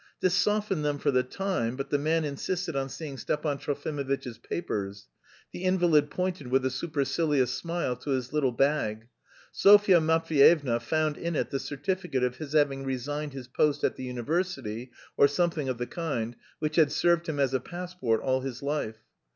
This softened them for the time, but the man insisted on seeing Stepan Trofimovitch's "papers." The invalid pointed with a supercilious smile to his little bag. Sofya Matveyevna found in it the certificate of his having resigned his post at the university, or something of the kind, which had served him as a passport all his life.